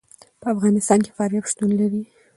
په افغانستان کې فاریاب شتون لري.